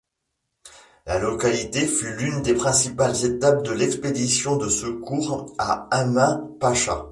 La localité fut l'une des principales étapes de l'expédition de secours à Emin Pasha.